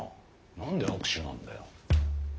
何で握手なんだよ。